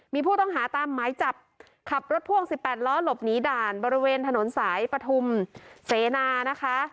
มีผู้ต้องหาตามหมายจับขับรถพ่วง๑๘ล้อหลบหนีด่านบริเวณถนนสายปฐุมเสนานะคะ